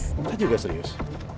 saya juga serius